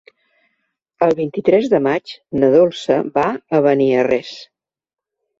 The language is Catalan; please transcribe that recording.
El vint-i-tres de maig na Dolça va a Beniarrés.